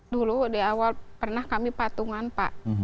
dulu di awal pernah kami patungan pak